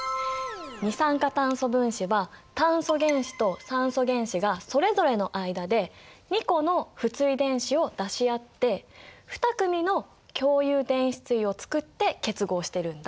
二酸化炭素分子は炭素原子と酸素原子がそれぞれの間で２個の不対電子を出し合って２組の共有電子対をつくって結合してるんだ。